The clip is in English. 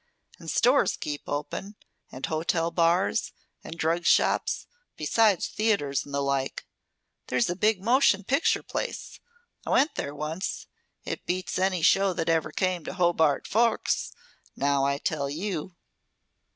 And stores keep open, and hotel bars, and drug shops, besides theatres and the like. There's a big motion picture place! I went there once. It beats any show that ever came to Hobart Forks, now I tell you."